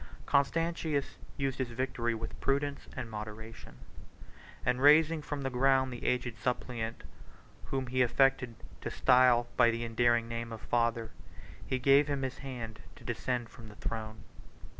Constantius used his victory with prudence and moderation; and raising from the ground the aged suppliant, whom he affected to style by the endearing name of Father, he gave him his hand to descend from the throne.